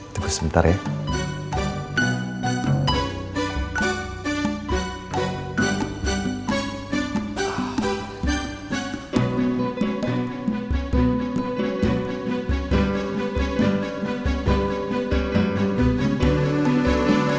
tunggu sebentar ya